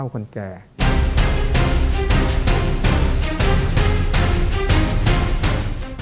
ศุษย์แขวนเกียรติในประวัติศาสตร์